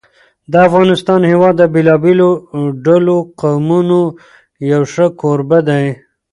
د افغانستان هېواد د بېلابېلو ډولو قومونو یو ښه کوربه دی.